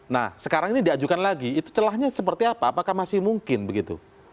nah sekarang ini diajukan lagi itu celahnya seperti apa apakah masih mungkin begitu